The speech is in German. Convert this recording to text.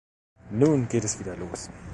Nun geht es wieder los.